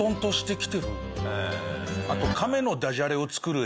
あと。